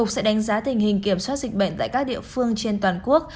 sẽ đánh giá tình hình kiểm soát dịch bệnh tại các địa phương trên toàn quốc